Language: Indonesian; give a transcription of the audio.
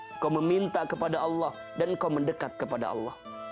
engkau meminta kepada allah dan engkau mendekat kepada allah